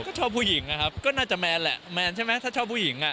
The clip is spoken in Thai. ก็ชอบผู้หญิงอะครับก็น่าจะแมนแหละแมนใช่ไหมถ้าชอบผู้หญิงอ่ะ